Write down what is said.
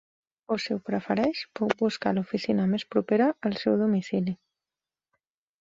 O si ho prefereix, puc buscar l'oficina més propera al seu domicili.